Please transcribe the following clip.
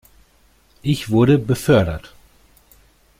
Ich wurde befördert.